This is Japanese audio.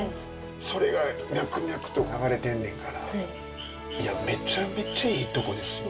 それが脈々と流れてんねんからいやめちゃめちゃいいとこですよ。